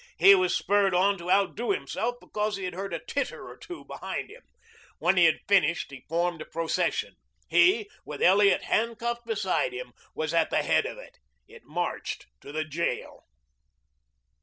He was spurred on to outdo himself because he had heard a titter or two behind him. When he had finished, he formed a procession. He, with Elliot hand cuffed beside him, was at the head of it. It marched to the jail.